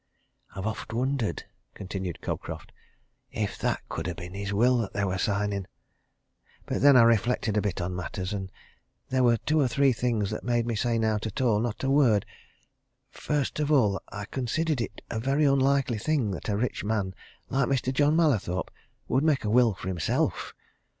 "I've oft wondered," continued Cobcroft, "if that could ha' been his will that they were signing! But then I reflected a bit on matters. And there were two or three things that made me say naught at all not a word. First of all, I considered it a very unlikely thing that a rich man like Mr. John Mallathorpe would make a will for himself.